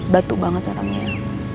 batu banget orangnya